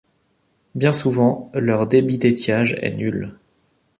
Bien souvent leur débit d'étiage est nul.